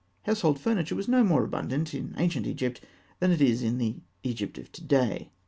] Household furniture was no more abundant in ancient Egypt than it is in the Egypt of to day.